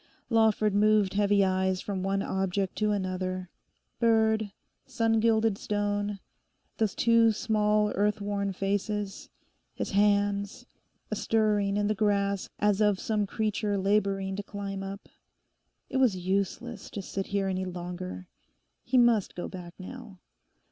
Lawford moved heavy eyes from one object to another—bird—sun gilded stone—those two small earth worn faces—his hands—a stirring in the grass as of some creature labouring to climb up. It was useless to sit here any longer. He must go back now.